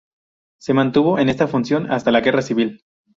Se mantuvo en esta función hasta la Guerra civil.